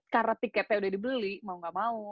karena tiketnya udah dibeli mau gak mau